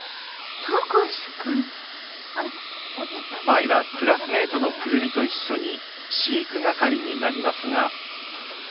舞はクラスメートの久留美と一緒に飼育係になりますが。